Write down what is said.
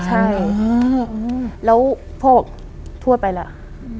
ใช่แล้วพ่อบอกทวดไปแล้ว